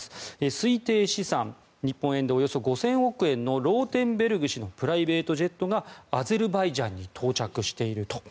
推定資産日本円でおよそ５０００億円のローテンベルグ氏のプライベートジェットがアゼルバイジャンに到着していると。